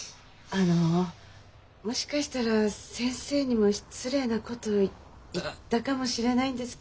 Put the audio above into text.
あのもしかしたら先生にも失礼なこと言ったかもしれないんですけど。